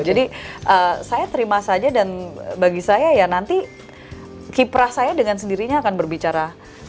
jadi saya terima saja dan bagi saya ya nanti kiprah saya dengan sendirinya akan berbicara